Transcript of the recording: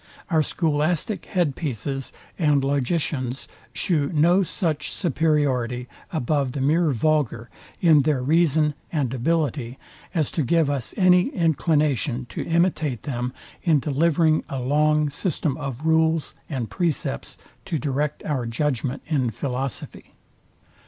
Our scholastic head pieces and logicians shew no such superiority above the mere vulgar in their reason and ability, as to give us any inclination to imitate them in delivering a long system of rules and precepts to direct our judgment, in philosophy.